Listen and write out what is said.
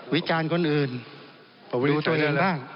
วิจารณ์คนอื่นดูตัวเองบ้าง